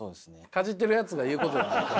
かじってるやつが言うことじゃない。